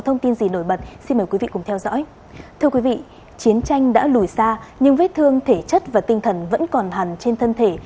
thưa quý vị chiến tranh đã lùi xa nhưng vết thương thể chất và tinh thần vẫn còn hẳn trên thân thể